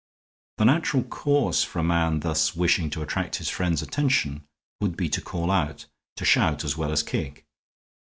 The natural course for a man thus wishing to attract his friends' attention would be to call out, to shout as well as kick.